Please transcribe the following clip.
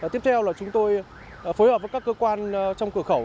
tiếp theo là chúng tôi phối hợp với các cơ quan trong cửa khẩu